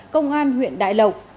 công an huyện đại lộc